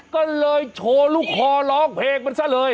ก็เลยโชว์ลูกคอร้องเพลงมันซะเลย